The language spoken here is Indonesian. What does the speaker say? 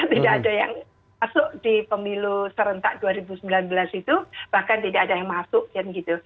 tidak ada yang masuk di pemilu serentak dua ribu sembilan belas itu bahkan tidak ada yang masuk kan gitu